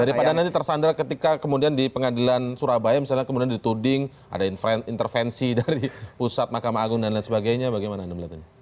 daripada nanti tersandar ketika kemudian di pengadilan surabaya misalnya kemudian dituding ada intervensi dari pusat mahkamah agung dan lain sebagainya bagaimana anda melihat ini